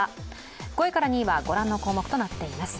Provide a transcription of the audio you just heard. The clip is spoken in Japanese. ５位から２位はご覧の項目となっています。